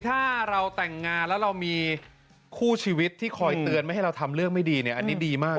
ถ้าเราแต่งงานแล้วเรามีคู่ชีวิตที่คอยเตือนไม่ให้เราทำเรื่องไม่ดีเนี่ยอันนี้ดีมาก